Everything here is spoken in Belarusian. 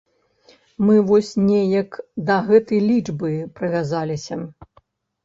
Мы вось неяк да гэтай лічбы прывязаліся.